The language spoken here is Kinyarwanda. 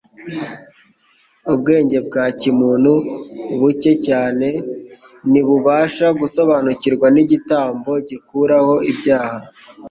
Ubwenge bwa kimuntu buke cyane ntibubasha gusobanukirwa n'igitambo gikuraho ibyaha.